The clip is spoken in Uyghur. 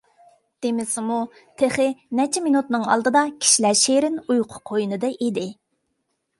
دېمىسىمۇ، تېخى نەچچە مىنۇتنىڭ ئالدىدا كىشىلەر شېرىن ئۇيقۇ قوينىدا ئىدى.